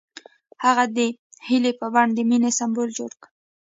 هغه د هیلې په بڼه د مینې سمبول جوړ کړ.